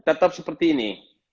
tetap seperti ini